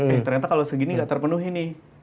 eh ternyata kalau segini nggak terpenuhi nih